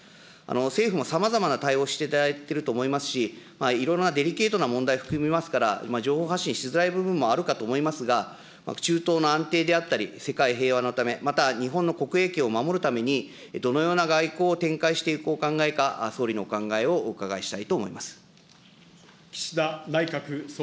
政府もさまざまな対応をしていただいていると思いますし、いろいろなデリケートな問題も含みますから、情報発信しづらい部分もあるかと思いますが、中東の安定であったり、世界平和のため、また日本の国益を守るために、どのような外交を展開していくお考えか、総理のお考えをお伺いしたいと思います。